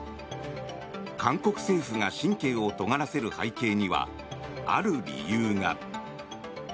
韓国政府が神経をとがらせる背景にはある理由が。